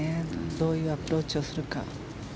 どういうアプローチをするか。